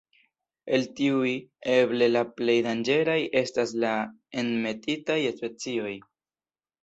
El tiuj, eble la plej danĝeraj estas la enmetitaj specioj.